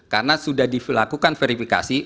karena sudah dilakukan verifikasi